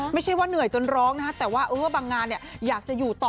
ไม่ใช่ว่าเหนื่อยจนร้องนะฮะแต่ว่าบางงานอยากจะอยู่ต่อ